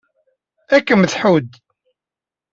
Ad kem-tḥudd.